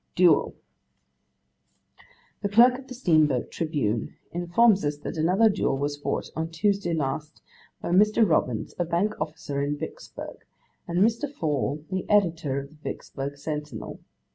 'Duel. 'The clerk of the steamboat Tribune informs us that another duel was fought on Tuesday last, by Mr. Robbins, a bank officer in Vicksburg, and Mr. Fall, the editor of the Vicksburg Sentinel.